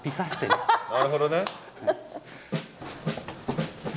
なるほどね。